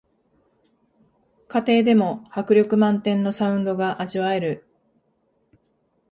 家庭でも迫力満点のサウンドが味わえる